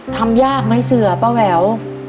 ทำยากไหมเสือป้าแหวว